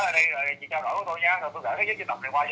tôi gửi giấy chị tập này qua cho chị xem